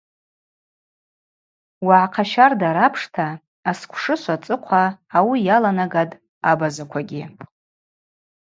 Уагӏахъа щарда рапшта асквшышв ацӏыхъва ауи йаланагатӏ абазаквагьи.